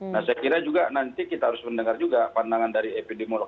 nah saya kira juga nanti kita harus mendengar juga pandangan dari epidemiolog